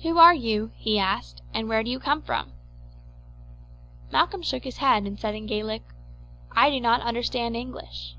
"Who are you?" he asked; "and where do you come from?" Malcolm shook his head and said in Gaelic: "I do not understand English."